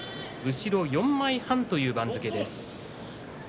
後ろ４枚半という番付です。